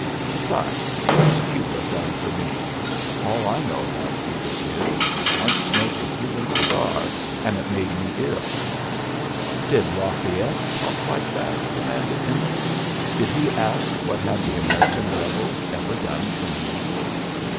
Besides, what's Cuba done for me? All I know about Cuba is, I once smoked a Cuban cigar and it made me ill." "Did Lafayette talk like that?" demanded Emily. "Did he ask what have the American rebels ever done for me?"